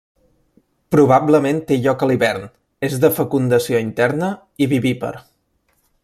Probablement, té lloc a l'hivern, és de fecundació interna i vivípar.